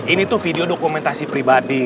ini tuh video dokumentasi pribadi